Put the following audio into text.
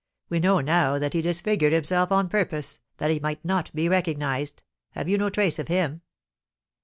We know now that he disfigured himself on purpose, that he might not be recognised. Have you no trace of him?"